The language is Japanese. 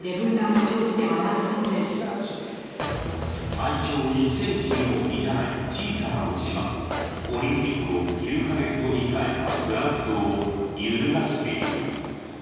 体長１ｃｍにも満たない小さな虫がオリンピックを９か月後に控えたフランスを揺るがしている。